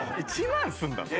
１万するんだぞ。